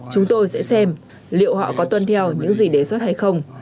chúng tôi sẽ xem liệu họ có tuân theo những gì đề xuất hay không